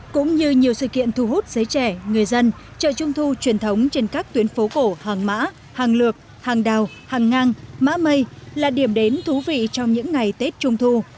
cũng như nhiều sự kiện thu hút giới trẻ người dân chợ trung thu truyền thống trên các tuyến phố cổ hàng mã hàng lược hàng đào hàng ngang mã mây là điểm đến thú vị trong những ngày tết trung thu